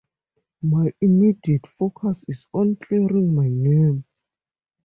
My immediate focus is on clearing my name.